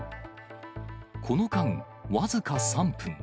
この間、僅か３分。